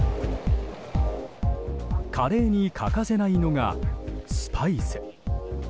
カレーに欠かせないのがスパイス。